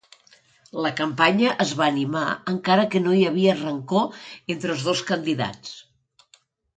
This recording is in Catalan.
La campanya es va animar encara que no ha havia rancor entre els dos candidats.